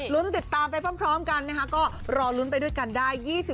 ติดตามไปพร้อมกันนะคะก็รอลุ้นไปด้วยกันได้